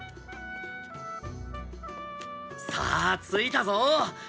さあ着いたぞ。